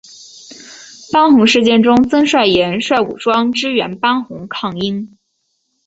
班洪事件中曾率岩帅武装支援班洪抗英。